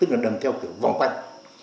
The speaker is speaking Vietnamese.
là theo kiểu vòng quanh